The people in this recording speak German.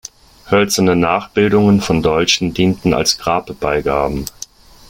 Hölzerne Nachbildungen von Dolchen dienten als Grabbeigaben.